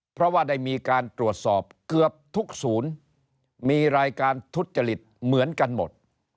เพราะว่าได้มีการตรวจสอบเกือบทุกศูนย์มีรายการทุจจริตเหมือนกันหมด